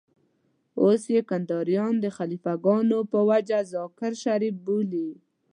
اوس يې کنداريان د خليفه ګانو په وجه ذاکر شريف بولي.